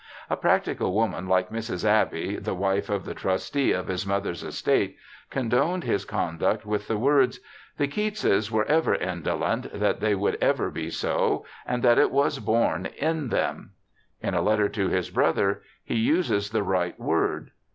A practical woman like Mrs. Abbey, the wife of the trustee of his mother's estate, condoned his conduct with the words ' the Keatses were ever indolent, that they would ever be so, and that it was born in them'. In a letter to his brother he uses the right word.